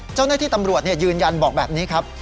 เจ้าหน้าที่ตำรวจยืนยันบอกแบบนี้ครับ